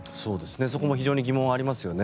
そこも非常に疑問ありますよね。